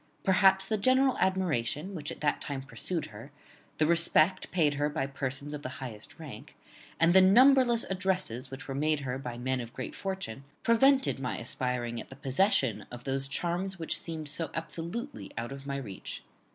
Perhaps the general admiration which at that time pursued her, the respect paid her by persons of the highest rank, and the numberless addresses which were made her by men of great fortune, prevented my aspiring at the possession of those charms which seemed so absolutely out of my reach.